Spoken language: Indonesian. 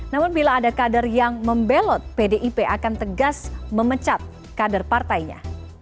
namun bila ada kader yang membelot pdip akan tegas memecat kader partainya